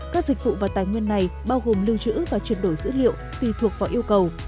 các dịch vụ và tài nguyên này bao gồm lưu trữ và chuyển đổi dữ liệu tùy thuộc vào yêu cầu